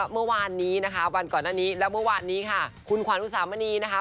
เมื่อวานนี้นะคะวันก่อนหน้านี้และเมื่อวานนี้ค่ะคุณขวัญอุสามณีนะคะ